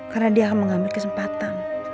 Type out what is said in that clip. karena dia akan mengambil kesempatan